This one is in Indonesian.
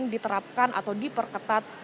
diterapkan atau diperketat